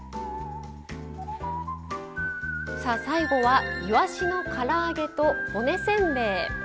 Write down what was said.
最後はいわしのから揚げと骨せんべい。